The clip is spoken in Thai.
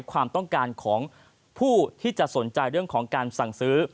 ความต้องการของผู้ที่จะสนใจเรื่องของการสั่งซื้อ